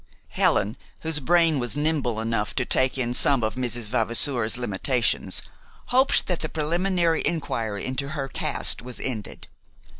Helen, whose brain was nimble enough to take in some of Mrs. Vavasour's limitations, hoped that the preliminary inquiry into her caste was ended.